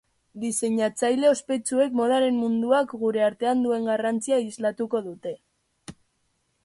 Diseinatzaile ospetsuek modaren munduak gure artean duen garrantzia islatuko dute.